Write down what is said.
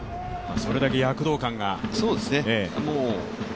それだけ躍動感が。